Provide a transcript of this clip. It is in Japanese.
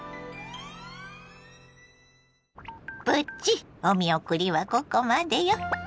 プチお見送りはここまでよ。